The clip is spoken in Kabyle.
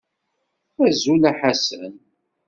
Azul a Ḥasan.